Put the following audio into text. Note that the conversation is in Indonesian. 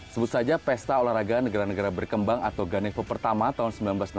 sebut saja pesta olahraga negara negara berkembang atau ganevo pertama tahun seribu sembilan ratus enam puluh